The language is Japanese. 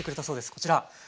こちら。